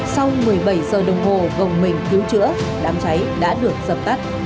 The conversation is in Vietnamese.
sau một mươi bảy giờ đồng hồ gồng mình cứu chữa đám cháy đã được dập tắt